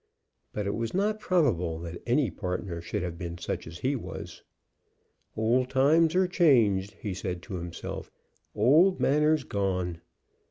But it was not probable that any partner should have been such as he was. "Old times are changed," he said to himself; "old manners gone."